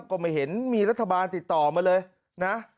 ก็ไม่เห็นมีรัฐบาลติดต่อมาเลยนะ